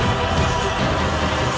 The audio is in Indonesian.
aku akan menang